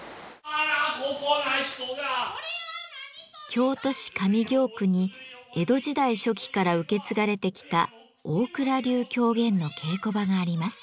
京都市上京区に江戸時代初期から受け継がれてきた大蔵流狂言の稽古場があります。